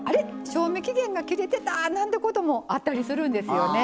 賞味期限が切れてたなんてこともあったりするんですよね。